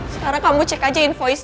sekarang kamu cek aja invoice